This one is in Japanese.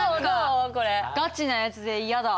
ガチなやつで嫌だ。